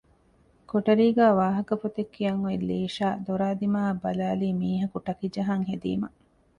ކޮޓަރީގައި ވާހަކަފޮތެއް ކިޔަން އޮތް ލީޝާ ދޮރާދިމާއަށް ބަލާލީ މީހަކު ޓަކިޖަހަން ހެދީމަ